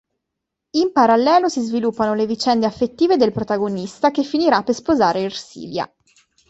In parallelo si sviluppano le vicende affettive del protagonista che finirà per sposare Ersilia.